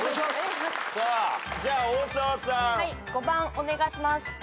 ５番お願いします。